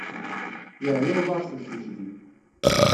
Yeɛya uḍar seg tikli.